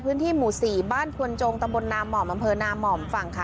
พื้นที่หมู่๔บ้านควนจงตะบนนาม่อมอำเภอนาม่อมฝั่งค่ะ